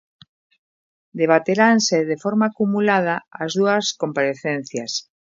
Debateranse de forma acumulada as dúas comparecencias.